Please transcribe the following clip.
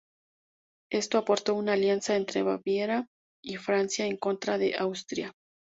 Esto aportó una alianza entre Baviera y Francia en contra de Austria.